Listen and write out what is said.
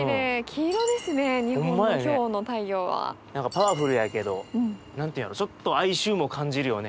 何かパワフルやけど何て言うのちょっと哀愁も感じるよね。